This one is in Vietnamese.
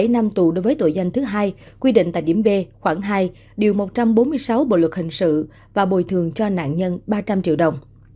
bảy năm tù đối với tội danh thứ hai quy định tại điểm b khoảng hai điều một trăm bốn mươi sáu bộ luật hình sự và bồi thường cho nạn nhân ba trăm linh triệu đồng